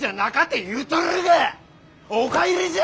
お帰りじゃ。